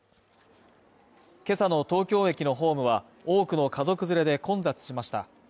今朝の東京駅のホームは多くの家族連れで混雑しました。